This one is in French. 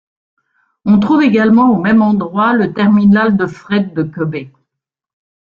On trouve également au même endroit, le terminal de Fret de Kôbe.